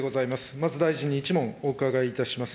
まず大臣に１問お伺いいたします。